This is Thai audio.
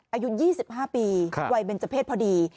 อายุยี่สิบห้าปีค่ะวัยเบนเจอร์เพศพอดี